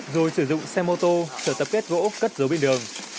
rồi sử dụng xe mô tô sở tập kết gỗ cất dấu biên đường